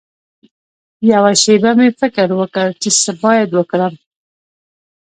یوه شېبه مې فکر وکړ چې څه باید وکړم.